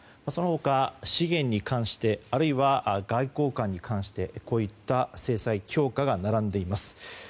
その他、資源に関してあるいは外交官に関してこういった制裁強化が並んでいます。